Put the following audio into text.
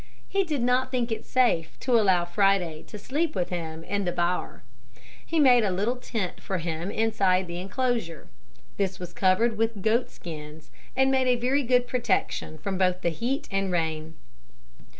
He did not think it safe to allow Friday to sleep with him in the bower. He made a little tent for him inside the enclosure. This was covered with goatskins and made a very good protection from both heat and rain.